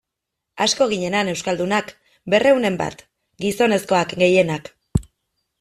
Asko ginen han euskaldunak, berrehunen bat, gizonezkoak gehienak.